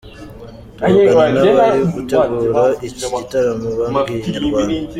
Tuvugana n’abari gutegura iki gitaramo babwiye Inyarwanda.